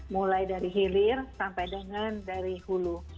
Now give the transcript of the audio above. mulai dari hilir sampai dengan dari hulu